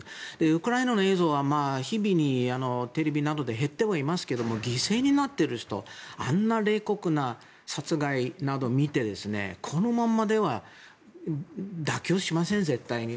ウクライナの映像は日々にテレビなどで減ってはいますが犠牲になっている人あんな冷酷な殺害などを見てこのままでは妥協しません絶対に。